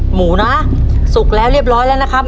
หมูนะสุกแล้วเรียบร้อยแล้วนะครับ